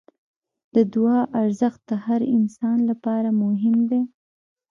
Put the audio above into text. د دعا ارزښت د هر انسان لپاره مهم دی.